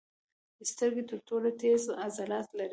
سترګې تر ټولو تېز عضلات لري.